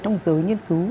trong giới nghiên cứu